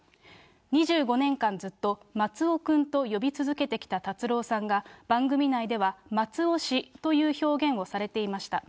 ２５年間ずっと、松尾君と呼び続けてきた達郎さんが、番組内では、松尾氏という表現をされていました。